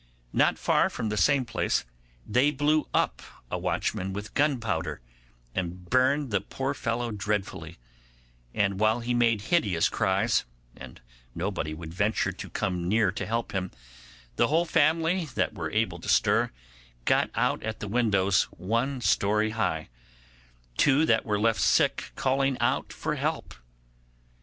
Not far from the same place they blew up a watchman with gunpowder, and burned the poor fellow dreadfully; and while he made hideous cries, and nobody would venture to come near to help him, the whole family that were able to stir got out at the windows one storey high, two that were left sick calling out for help.